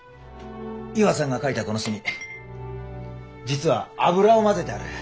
イワさんが描いたこの墨実は油を混ぜてある。